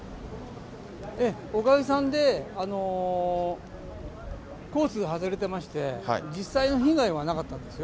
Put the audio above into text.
おかげさんで、コース外れてまして、実際の被害はなかったんですよ。